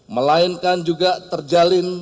melainkan juga terjalin